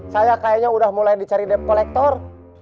saya kayaknya udah mulai dicari dep kolektor